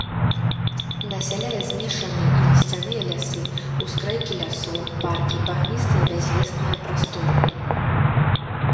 Насяляе змешаныя і лісцяныя лясы, ускрайкі лясоў, паркі, багністыя бязлесныя прасторы.